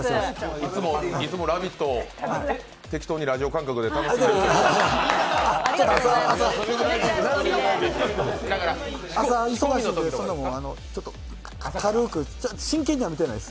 いつも「ラヴィット！」を適当にラジオ感覚で楽しんでいただいてるということで。